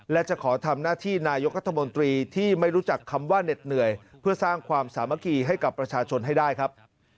และจะขอทำหน้าที่นายกรัฐมนตรีที่ไม่รู้จักคำว่าเหน็ดเหนื่อยเพื่อสร้างความสามัคคีให้กับประชาชนให้ได้ครับ